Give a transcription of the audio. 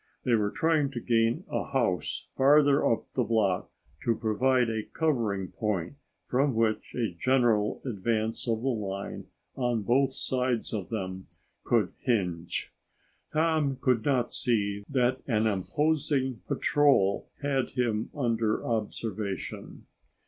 They were trying to gain a house farther up the block to provide a covering point from which a general advance of the line on both sides of them could hinge. Tom could not see that an opposing patrol had him under observation.